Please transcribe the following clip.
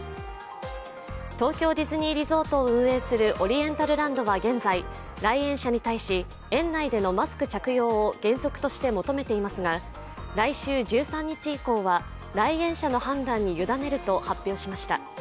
東京ディズニーリゾートを運営するオリエンタルランドは現在、来園者に対し、園内でのマスク着用を原則として求めていますが来週１３日以降は来園者の判断にゆだねると発表しました。